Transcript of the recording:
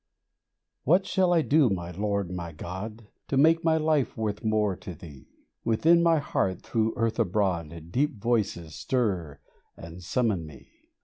WHAT shall I do, my Lord, my God, To make my life worth more to Thee ? Within my heart, through earth abroad, Deep voices stir and summon me.